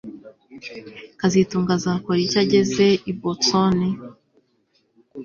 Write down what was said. kazitunga azakora iki ageze i Boston